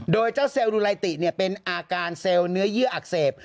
โดยเจ้าเซลลูไลติเป็นอาการเซลล์เนื้อเยื่ออักเสบ